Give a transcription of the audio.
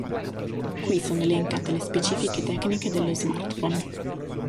Qui sono elencate le specifiche tecniche dello smartphone.